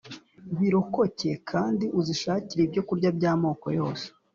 birokoke kandi uzishakire ibyokurya by amoko yose